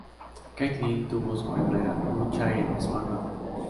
Kaitlyn tuvo su primera lucha en "SmackDown!